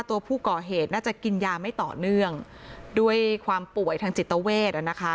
ตัวผู้ก่อเหตุน่าจะกินยาไม่ต่อเนื่องด้วยความป่วยทางจิตเวท